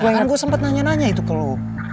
kan gue sempet nanya nanya itu ke lo